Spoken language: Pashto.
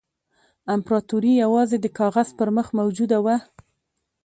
امپراطوري یوازې د کاغذ پر مخ موجوده وه.